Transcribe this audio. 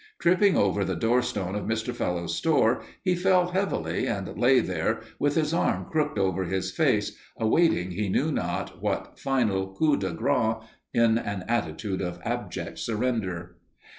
Tripping over the door stone of Mr. Fellowes's store, he fell heavily, and lay there, with his arm crooked over his face, awaiting he knew not what final coup de grace in an attitude of abject surrender.